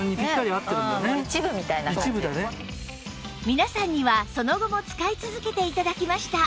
皆さんにはその後も使い続けて頂きました